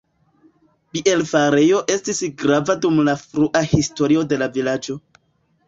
Bierfarejo estis grava dum la frua historio de la vilaĝo.